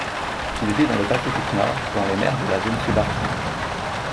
Il vit dans le Pacifique nord, dans les mers de la zone subarctique.